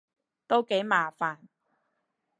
都幾麻煩